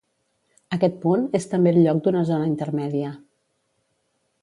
Aquest punt és també el lloc d'una zona intermèdia.